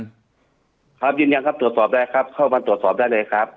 ครับครับยืนยันครับตรวจสอบได้ครับเข้ามาตรวจสอบได้เลยครับ